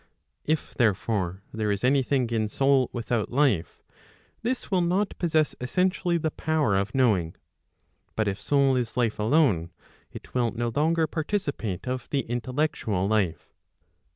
If therefore, there is any thing in soul without life, this will not possess essentially the power of knowing. But if soul is life alone, it will no longer participate of the intellectual life.